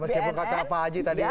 meskipun kata pak aji tadi